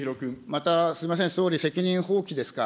またすみません、責任放棄ですか。